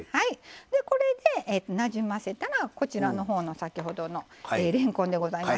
これでなじませたら先ほどの、れんこんでございます。